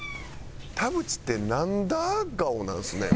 田渕って「なんだ？顔」なんですね